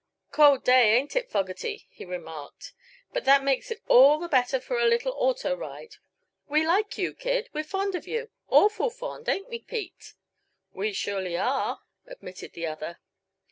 "Cold day, ain't it, Fogerty?" he remarked. "But that makes it all the better for a little auto ride. We like you, kid, we're fond of you awful fond ain't we, Pete?" "We surely are," admitted the other.